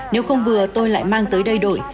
nếu không vừa tôi lại mang tới đây đổi